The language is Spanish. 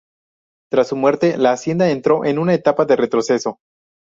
Tras su muerte, la hacienda entró en una etapa de retroceso.